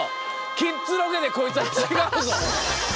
キッズロケでこいつは違うぞ！